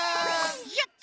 やった！